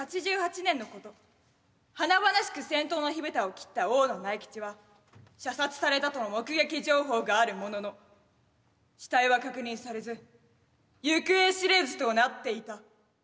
華々しく戦闘の火蓋を切った大野苗吉は射殺されたとの目撃情報があるものの死体は確認されず行方知れずとなっていた。